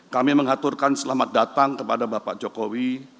kami mengaturkan selamat datang kepada bapak jokowi